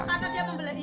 karena dia membeli